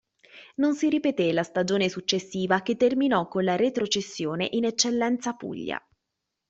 Non si ripeté la stagione successiva che terminò con la retrocessione in Eccellenza Puglia.